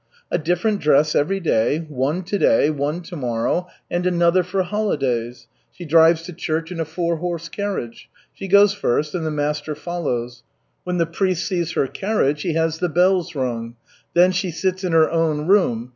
"A different dress every day, one to day, one to morrow, and another for holidays. She drives to church in a four horse carriage. She goes first, and the master follows. When the priest sees her carriage, he has the bells rung. Then she sits in her own room.